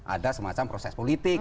ada semacam proses politik